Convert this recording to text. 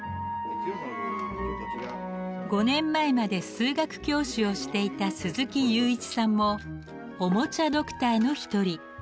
５年前まで数学教師をしていた鈴木有一さんもおもちゃドクターの一人。